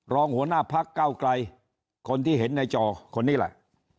รองหัวหน้าพักเก้าไกลคนที่เห็นในจอคนนี้แหละ